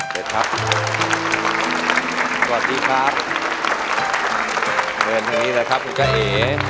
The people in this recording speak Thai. เจ๋ครับสวัสดีครับเผินทางนี้แหละครับคุณเจ๋